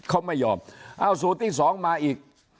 เอ้าสูตรที่สองมาอีก